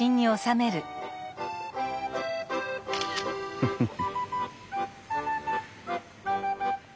フフフ。